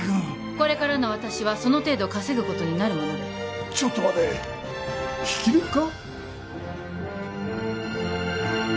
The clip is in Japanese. これからの私はその程度稼ぐことになるものでちょっと待て引き抜きか？